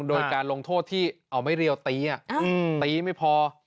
โดยการลงโทษที่เอาไม่เรียวตีตีไม่พอ